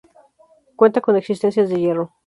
Cuenta con existencias de hierro.